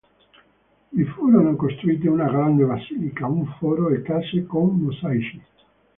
Vi furono costruite una grande basilica, un foro e case con mosaici.